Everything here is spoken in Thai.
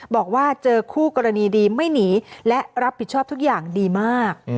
บอกว่าเจอคู่กรณีดีไม่หนีและรับผิดชอบทุกอย่างดีมาก